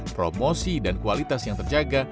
promosi dan kualitas yang terjaga